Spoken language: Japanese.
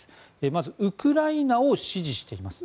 まず、ウクライナを支持しています。